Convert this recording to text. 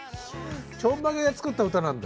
ちょんまげで作った歌なんだ。